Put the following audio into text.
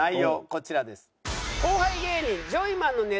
こちらです。